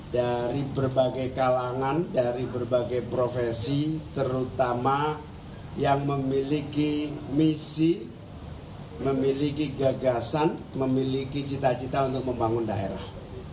dari berbagai kalangan dari berbagai profesi terutama yang memiliki misi memiliki gagasan memiliki cita cita untuk membangun daerah